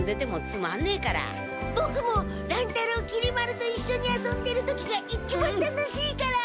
ボクも乱太郎きり丸といっしょに遊んでる時が一番楽しいから。